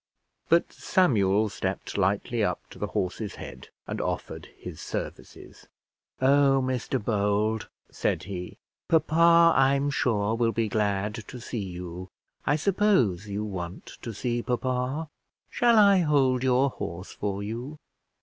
But Samuel stepped lightly up to the horse's head, and offered his services. "Oh, Mr Bold," said he, "papa, I'm sure, will be glad to see you; I suppose you want to see papa. Shall I hold your horse for you?